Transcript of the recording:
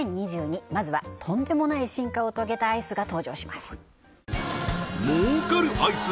まずはとんでもない進化を遂げたアイスが登場します